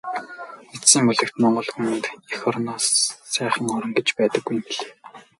Эцсийн бүлэгт Монгол хүнд эх орноос сайхан орон гэж байдаггүй юм билээ.